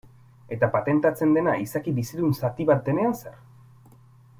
Eta patentatzen dena izaki bizidun zati bat denean zer?